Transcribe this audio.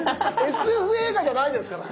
ＳＦ映画じゃないですからね。